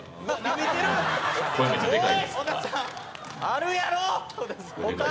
あるやろ他！」